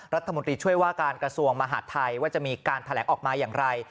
รัฐมนตรีช่วยว่าการกระทรวงมหาดไทยว่าจะมีการแถลงออกมาอย่างไร